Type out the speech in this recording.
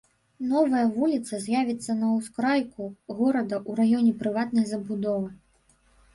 Новая вуліца з'явіцца на ўскрайку горада ў раёне прыватнай забудовы.